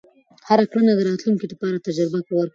هره کړنه د راتلونکي لپاره تجربه ورکوي.